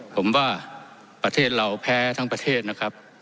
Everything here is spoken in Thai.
ผมว่าประเทศเราแพ้ทั้งประเทศนะครับ